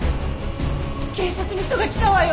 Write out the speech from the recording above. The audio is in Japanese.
警察の人が来たわよ！